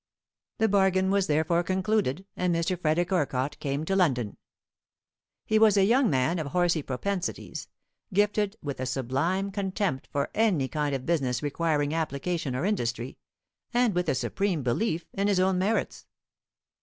The bargain was therefore concluded, and Mr. Frederick Orcott came to London. He was a young man of horsey propensities, gifted with a sublime contempt for any kind of business requiring application or industry, and with a supreme belief in his own merits.